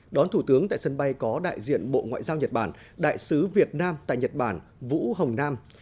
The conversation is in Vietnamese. đón thủ tướng tại sân bay có đại diện bộ ngoại giao nhật bản đại sứ việt nam tại nhật bản vũ hồng nam